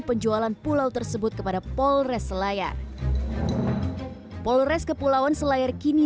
penjualan pulau tersebut kepada polres selayar polres kepulauan selayar kini